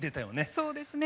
そうですね。